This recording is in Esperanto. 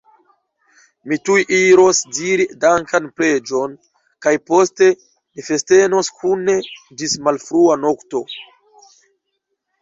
Mi tuj iros diri dankan preĝon, kaj poste ni festenos kune ĝis malfrua nokto!